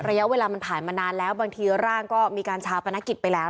ระยะเวลามันผ่านมานานแล้วบางทีร่างก็มีการชาปนกิจไปแล้ว